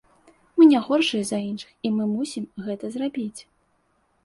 Мы не горшыя за іншых і мы мусім гэта зрабіць.